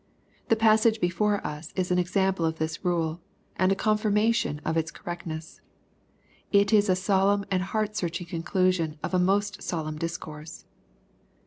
The passage before us is an example of this rule, and a confirmation of its correctness. It is a solemn and heart searching conclusion of a most solemn discourse.